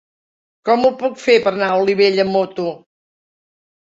Com ho puc fer per anar a Olivella amb moto?